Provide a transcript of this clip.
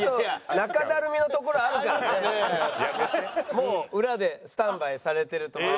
もう裏でスタンバイされてると思いますから。